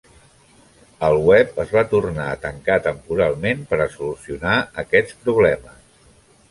El web es va tornar a tancar temporalment per a solucionar aquests problemes.